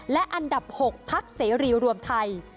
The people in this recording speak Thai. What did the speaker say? และอันดับ๖พักเสรีรวมไทย